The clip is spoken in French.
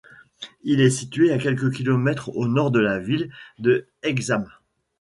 Il est situé à quelques kilomètres au nord de la ville de Hexham.